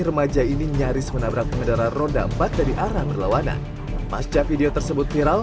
remaja ini nyaris menabrak pengendara roda empat dari arah berlawanan pasca video tersebut viral